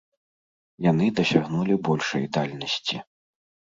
Яны дасягнулі большай дальнасці.